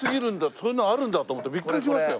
そういうのあるんだと思ってビックリしましたよ